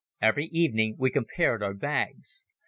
Every evening we compared our bags.